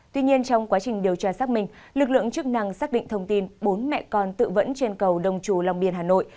tuy nhiên trong quá trình điều tra xác minh lực lượng chức năng xác định thông tin bốn mẹ con tự vẫn trên cầu đông trù long biên hà nội